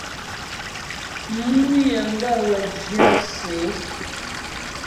Mǔ yəŋgaə́ wə́ zhyə̂ shwə é.